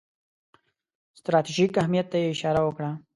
ستراتیژیک اهمیت ته یې اشاره وکړه.